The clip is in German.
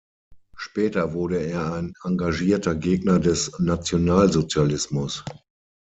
Später wurde er ein engagierter Gegner des Nationalsozialismus.